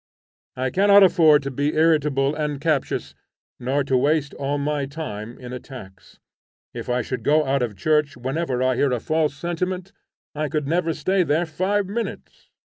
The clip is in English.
I cannot afford to be irritable and captious, nor to waste all my time in attacks. If I should go out of church whenever I hear a false sentiment I could never stay there five minutes.